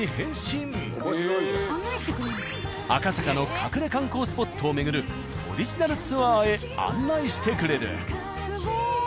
赤坂の隠れ観光スポットを巡るオリジナルツアーへ案内してくれる。